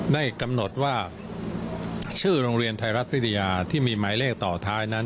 ได้กำหนดว่าชื่อโรงเรียนไทยรัฐวิทยาที่มีหมายเลขต่อท้ายนั้น